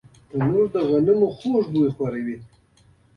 تنور د غنمو خوږ بوی خپروي